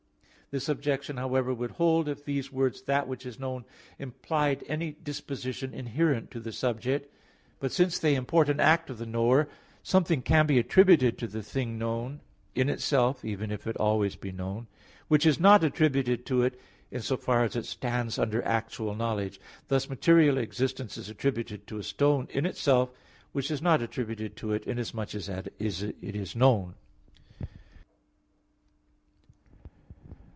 This objection, however, would hold if these words "that which is known" implied any disposition inherent to the subject; but since they import an act of the knower, something can be attributed to the thing known, in itself (even if it always be known), which is not attributed to it in so far as it stands under actual knowledge; thus material existence is attributed to a stone in itself, which is not attributed to it inasmuch as it is known.